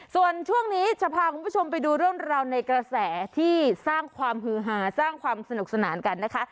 ส่วนช่วงนี้จะพาคุณผู้ชมไปดูเรื่องราวในกระแสที่สร้างความฮือหาสร้างความสนุกสนานกันนะคะ